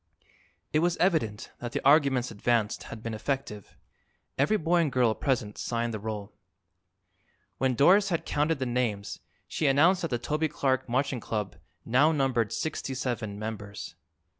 It was evident that the arguments advanced had been effective. Every boy and girl present signed the roll. When Doris had counted the names she announced that the Toby Clark Marching Club now numbered sixty seven members.